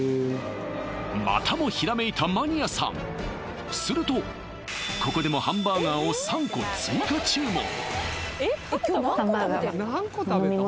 またもひらめいたマニアさんするとここでもハンバーガーをハンバーガー飲み物？